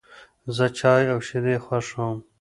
زه چای او شیدې خوښوم.